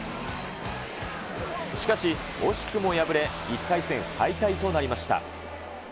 しかし、惜しくも敗れ、１回戦敗退となりました。